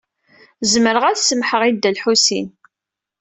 Zemreɣ ad semmḥeɣ i Dda Lḥusin.